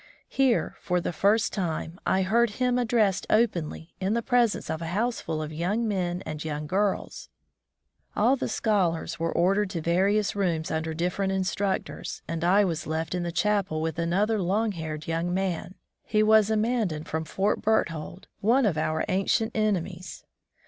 Here for the first time I heard Him addressed openly in the presence of a house full of young men and young girls ! All the scholars were ordered to various rooms under different instructors, and I was left in the chapel with another long haired young man. He was a Mandan from Fort Berthold — one of our ancient enemies.